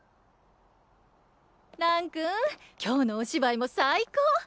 蘭君今日のお芝居も最高！